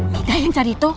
minta yang cari itu